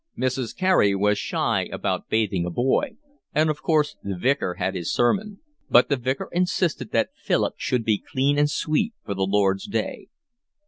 Mrs. Carey was shy about bathing a boy, and of course the Vicar had his sermon. But the Vicar insisted that Philip should be clean and sweet for the lord's Day.